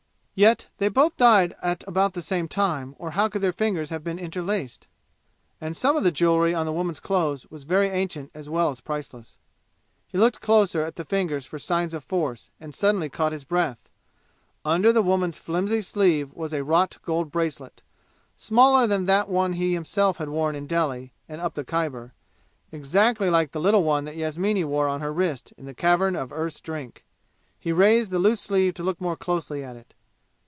Yet, they both died at about the same time, or how could their fingers have been interlaced? And some of the jewelry on the woman's clothes was very ancient as well as priceless. He looked closer at the fingers for signs of force and suddenly caught his breath. Under the woman's flimsy sleeve was a wrought gold bracelet, smaller than that one he himself had worn in Delhi and up the Khyber exactly like the little one that Yasmini wore on her wrist in the Cavern of Earth's Drink! He raised the loose sleeve to look more closely at it.